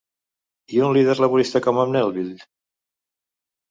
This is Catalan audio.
I un líder laborista com en Melville?